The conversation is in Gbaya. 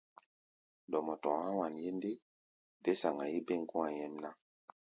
Dɔmɔ tɔ̧ɔ̧ há̧ wanye ndé, dé saŋa-yí bêm kɔ̧́-a̧ nyɛ́mná.